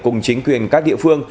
cùng chính quyền các địa phương